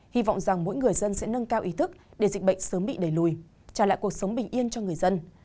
hy vọng rằng mỗi người dân sẽ nâng cao ý thức để dịch bệnh sớm bị đẩy lùi trả lại cuộc sống bình yên cho người dân